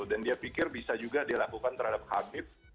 dan dia pikir bisa juga dilakukan terhadap khabib